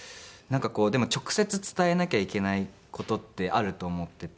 でも直接伝えなきゃいけない事ってあると思っていて。